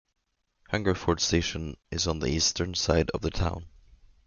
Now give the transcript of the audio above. Hungerford station is on the eastern side of the town.